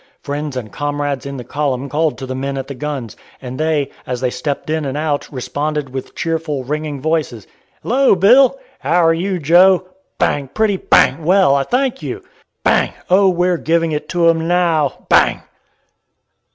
Friends and comrades in the column called to the men at the guns, and they, as they stepped in and out, responded with cheerful, ringing voices, "Hello, Bill!" "How are you, Joe?" Bang! "Pretty" Bang! "well, I thank you." Bang! "Oh! we're giving it to 'em now." Bang!